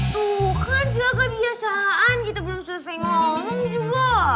tuh kan segala kebiasaan kita belum selesai ngomong juga